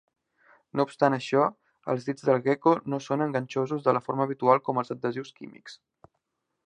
No obstant això, els dits del geco no són enganxosos de la forma habitual com els adhesius químics.